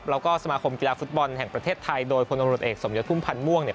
แล้วก็สมาคมกีฬาฟุตบอลแห่งประเทศไทยโดยพลตำรวจเอกสมยศพุ่มพันธ์ม่วงเนี่ย